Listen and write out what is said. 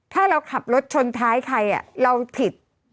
ถ้าเราขับรถชนท้ายใครเราผิด